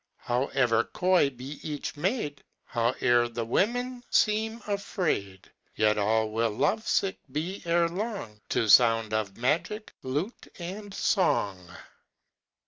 However coy may be each maid, However the women seem afraid, Yet all will love sick be ere long To sound of magic lute and song.